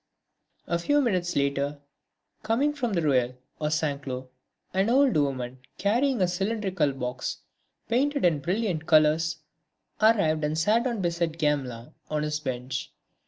A few minutes later, coming from Rueil or Saint Cloud, an old woman carrying a cylindrical box, painted in brilliant colours, arrived and sat down beside Gamelin, on his bench.